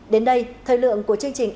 đến đây thời lượng của chương trình